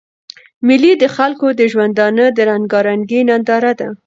مېلې د خلکو د ژوندانه د رنګارنګۍ ننداره ده.